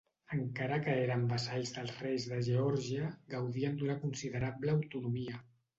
Encara que eren vassalls dels reis de Geòrgia, gaudien d'una considerable autonomia.